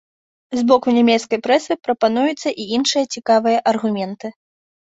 З боку нямецкай прэсы прапануюцца і іншыя цікавыя аргументы.